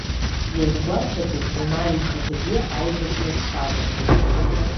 Иазгәаҭатәуп Омар ихаҭагьы аибашьра дшалахәыз.